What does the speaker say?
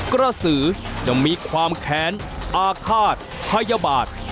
กระสือจะมีความแค้นอาฆาตพยาบาท